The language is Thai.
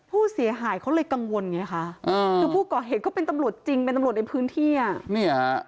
ผู้เสียหายเขาเลยกังวลไงคะคือผู้ก่อเหตุก็เป็นตำรวจจริงเป็นตำรวจในพื้นที่อ่ะนี่ฮะ